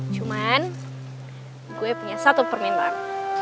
cuman gue punya satu permintaan